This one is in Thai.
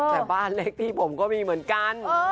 แต่บ้านเล็กพี่ผมก็มีเหมือนกัน